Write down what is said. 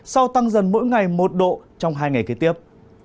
sau tăng dần mỗi ngày một độ trong hai ngày kế tiếp